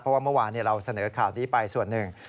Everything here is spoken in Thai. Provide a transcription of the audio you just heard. เพราะว่าเมื่อวานเราเสนอข่าวนี้ไปส่วนหนึ่ง